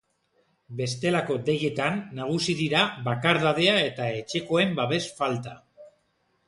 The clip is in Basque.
Bestelako deietan, nagusi dira, bakardadea eta etxekoen babes falta.